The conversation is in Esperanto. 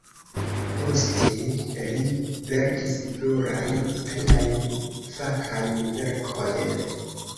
Poste li verkis plurajn aliajn fakajn verkojn.